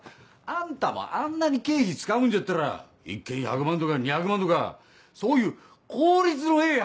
あんたもあんなに経費使うんじゃったら一件１００万とか２００万とかそういう効率のええ